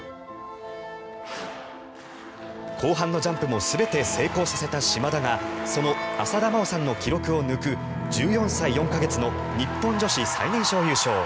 後半のジャンプも全て成功させた島田がその浅田真央さんの記録を抜く１４歳４か月の日本女子最年少優勝。